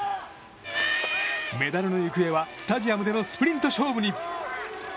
メダルの行方はスタジアムでのスプリント勝負に。